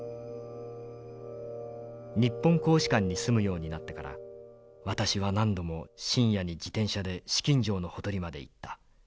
「日本公使館に住むようになってから私は何度も深夜に自転車で紫禁城のほとりまで行った。